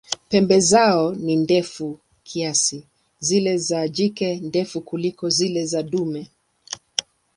Pembe zao ni ndefu kiasi, zile za jike ndefu kuliko zile za dume.